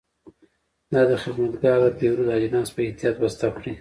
دا خدمتګر د پیرود اجناس په احتیاط بسته کړل.